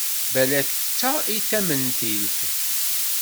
Balak d ta i tamentilt.